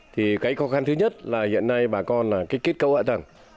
thì cái khó khăn thứ nhất là hiện nay bà con là cái kết cấu ạ